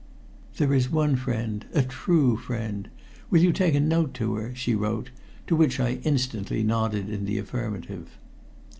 "There is one friend a true friend. Will you take a note to her?" she wrote, to which I instantly nodded in the affirmative.